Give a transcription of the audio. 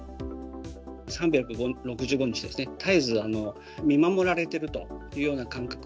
３６５日ですね、絶えず見守られているというような感覚。